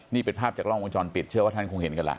นี่เป็นภาพจากกล้องวงจรปิดเชื่อว่าท่านคงเห็นกันล่ะ